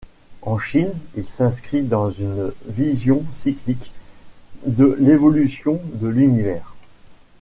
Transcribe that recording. En Chine, il s’inscrit dans une vision cyclique de l’évolution de l’univers.